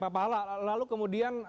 pak pahla lalu kemudian